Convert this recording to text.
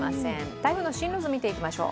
台風の進路図を見ていきましょう。